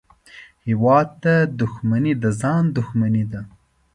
هېواد ته دښمني د ځان دښمني ده